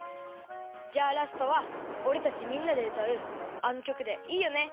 じゃあラストはおれたちみんなでうたうあのきょくでいいよね？